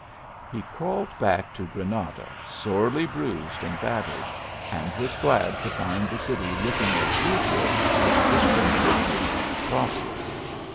He crawled back to Granada sorely bruised and battered, and was glad to find the city looking as usual, with Christian churches and crosses.